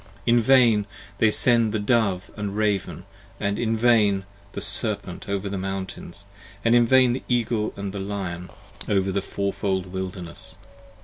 In vain 70 They send the Dove & Raven, & in vain the Serpent over the mountains, And in vain the Eagle & Lion over the four fold wilderness.